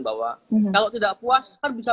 bahwa kalau tidak puas kan bisa